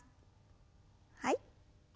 はい。